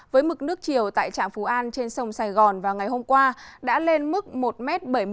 với mức nước chiều tại trạm phú an trên sông sài gòn vào ngày hôm qua đã lên mức một bảy mươi một m